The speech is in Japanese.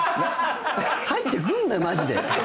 入ってくんなよマジで。